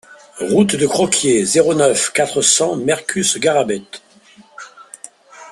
Route de Croquié, zéro neuf, quatre cents Mercus-Garrabet